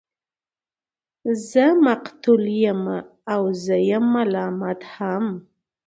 زه مقتول يمه او زه يم ملامت هم